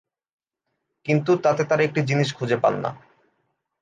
কিন্তু তাতে তারা একটা জিনিস খুঁজে পান না।